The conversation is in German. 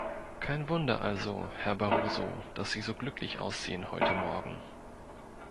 Kein Wunder also, Herr Barroso, dass Sie so glücklich aussehen heute Morgen.